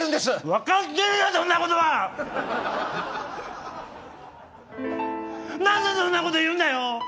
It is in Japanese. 何でそんなこと言うんだよ！